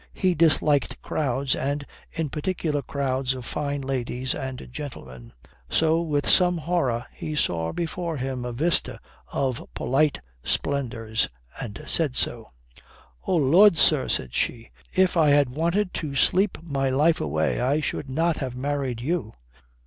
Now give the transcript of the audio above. He disliked crowds and in particular crowds of fine ladies and gentlemen. So with some horror he saw before him a vista of polite splendours, and said so. "Oh Lud, sir," says she, "if I had wanted to sleep my life away I should not have married you.